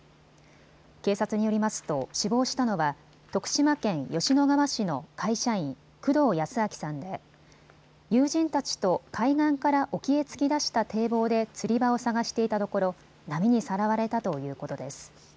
警察によりますと死亡したのは徳島県吉野川市の会社員、工藤安昭さんで友人たちと海岸から沖へ突き出した堤防で釣り場を探していたところ波にさらわれたということです。